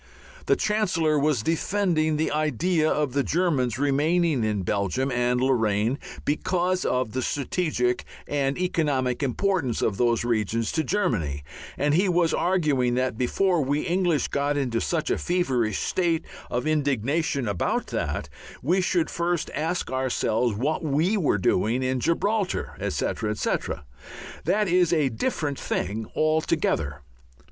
The Chancellor was defending the idea of the Germans remaining in Belgium and Lorraine because of the strategic and economic importance of those regions to Germany, and he was arguing that before we English got into such a feverish state of indignation about that, we should first ask ourselves what we were doing in Gibraltar, etc., etc. That is a different thing altogether.